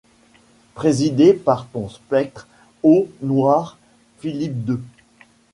Présidé par ton spectre, ô noir Philippe-deux